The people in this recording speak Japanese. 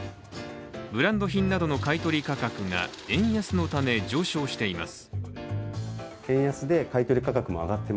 ブランド品などの買い取り価格が円安のため上昇しています。